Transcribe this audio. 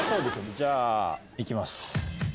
じゃあいきます。